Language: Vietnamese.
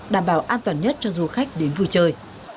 đảm bảo an toàn nhất cho du khách đến vui chơi